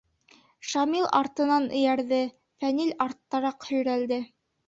Шамил артынан эйәрҙе, Фәнил арттараҡ һөйрәлде.